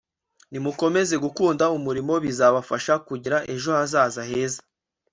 nimukomeza gukunda umurimo bizabafasha kugira ejo hazaza heza”